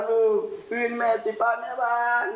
๕๕ลูกกลับมา